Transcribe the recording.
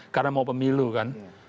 karena mau pemilu kan